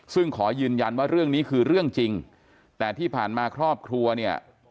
ซึ่งขอยืนยันว่าเรื่องนี้คือเรื่องจริงแต่ที่ผ่านมาครอบครัวเนี่ย